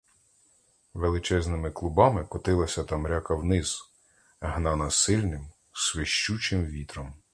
Величезними клубами котилася та мряка вниз, гнана сильним, свищучим вітром.